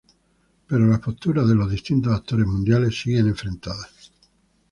Pero las posturas de los distintos actores mundiales siguen enfrentadas.